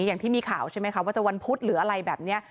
อย่างที่มีข่าวใช่ไหมคะว่าจะวันพุธหรืออะไรแบบนี้